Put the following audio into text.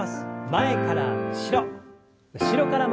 前から後ろ後ろから前に。